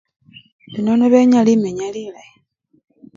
Indi nono benya limenya lilayi.